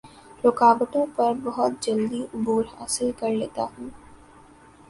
رکاوٹوں پر بہت جلدی عبور حاصل کر لیتا ہوں